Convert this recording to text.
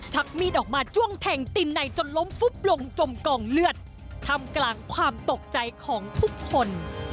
มีดออกมาจ้วงแทงตินในจนล้มฟุบลงจมกองเลือดทำกลางความตกใจของทุกคน